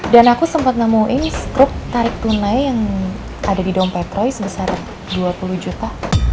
aku sempat nemuin struk tarik tunai yang ada di dompet roy sebesar dua puluh juta